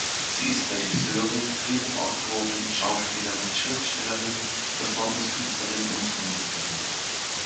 Sie ist Regisseurin, Drehbuchautorin, Schauspielerin, Schriftstellerin, Performancekünstlerin und Musikerin.